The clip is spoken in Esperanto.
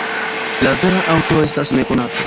La vera aŭtoro estas nekonata.